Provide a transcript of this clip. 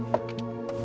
yang menghargain lo